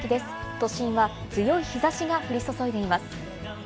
都心は強い日差しが降り注いでいます。